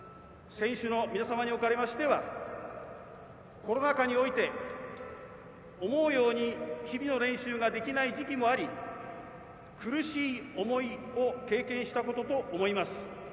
選手の皆様におかれましてはコロナ禍において思うように日々の練習ができない時期もあり苦しい思いを経験したことと思います。